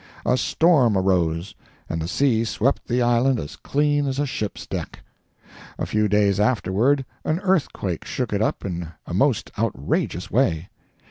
A storm arose, and the sea swept the island as clean as a ship's deck. A few days afterward an earthquake shook it up in a most outrageous way.